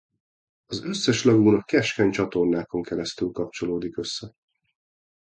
Az összes lagúna keskeny csatornákon keresztül kapcsolódik össze.